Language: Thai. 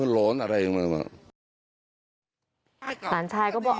หล่นอะไรอย่างนั้น